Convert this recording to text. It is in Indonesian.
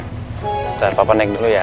sebentar papa naik dulu ya